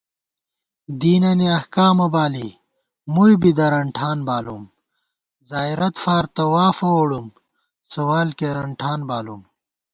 دینَنی احکامہ بالی مُوئی بی دَرَن ٹھان بالُوم * زائیرَت فار طوافہ ووڑُم سوال کېرَن ٹھان بالُوم